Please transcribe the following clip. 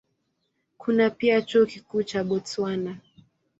Kuna pia Chuo Kikuu cha Botswana.